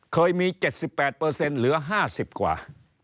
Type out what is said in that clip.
เคยมี๗๘เหลือ๕๐กว่า